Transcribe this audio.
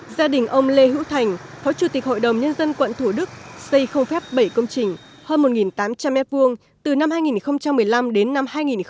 gia đình ông lê hữu thành phó chủ tịch hội đồng nhân dân quận thủ đức xây khâu phép bảy công trình hơn một tám trăm linh m hai từ năm hai nghìn một mươi năm đến năm hai nghìn một mươi bảy